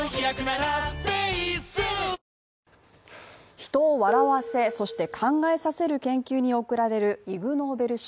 「人を笑わせ、そして考えさせる研究」に贈られるイグ・ノーベル賞。